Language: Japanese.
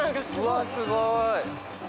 うわすごい。